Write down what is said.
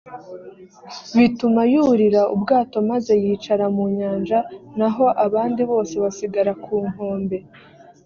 bituma yurira ubwato maze yicara mu nyanja naho abandi bose basigara ku nkombe